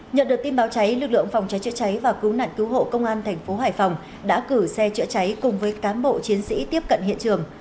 nhận được tin báo cháy lực lượng phòng cháy chữa cháy và cứu nạn cứu hộ công an thành phố hải phòng đã cử xe chữa cháy cùng với cán bộ chiến sĩ tiếp cận hiện trường